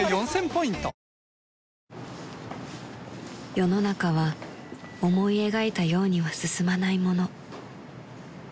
［世の中は思い描いたようには進まないもの］